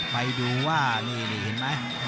ไปดูว่านี่เห็นไหม